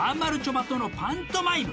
ばとのパントマイム